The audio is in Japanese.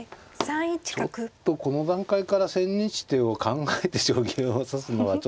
あちょっとこの段階から千日手を考えて将棋を指すのはちょっと嫌なんで。